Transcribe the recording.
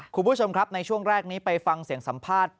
คุณผู้ชมครับในช่วงแรกนี้ไปฟังเสียงสัมภาษณ์